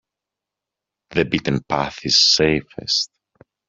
The beaten path is safest.